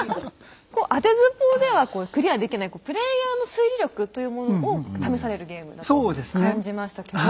あてずっぽうではクリアできないプレイヤーの推理力というものを試されるゲームだと感じましたけど。